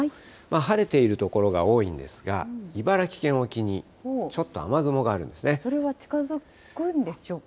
晴れている所が多いんですが、茨城県沖にちょっと雨雲があるんでそれは近づくんでしょうか？